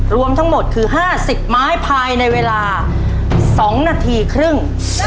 รวมทั้งหมดคือ๕๐ไม้ภายในเวลา๒นาทีครึ่ง